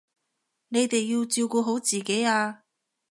你哋要照顧好自己啊